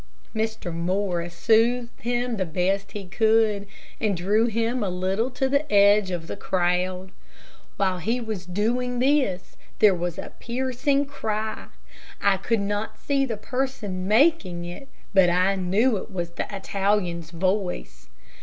Mr. Morris soothed him as best he could, and drew him a little to the edge of the crowd. While he was doing this, there was a piercing cry. I could not see the person making it, but I knew it was the Italian's voice.